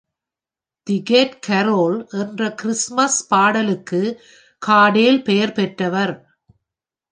"தி cat carol" என்ற Christmas பாடலுக்கும் காடெல் பெயர் பெற்றவர்.